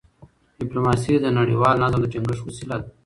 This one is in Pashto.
ډيپلوماسي د نړیوال نظم د ټینګښت وسیله ده.